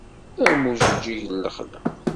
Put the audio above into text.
Am ujeǧǧig n lexla.